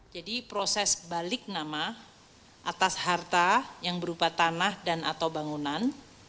jadi proses balik nama atas harta yang berupa tanah dan atau bangunan